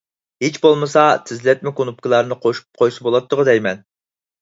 ھېچ بولمىسا، تېزلەتمە كۇنۇپكىلارنى قوشۇپ قويسا بولاتتىغۇ دەيمەن.